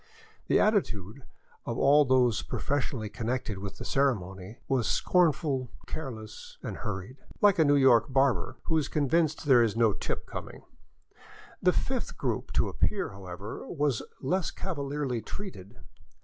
The attitude of all those professionally connected with the ceremony, was scornful, careless, and hurried — like a New York bar ber who is convinced there is no " tip " coming. The fifth group to appear, however, was less cavalierly treated.